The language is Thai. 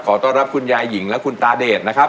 ต้อนรับคุณยายหญิงและคุณตาเดชนะครับ